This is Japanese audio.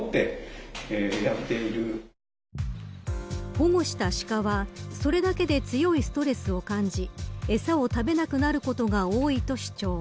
保護したシカはそれだけで強いストレスを感じ餌を食べなくなることが多いと主張。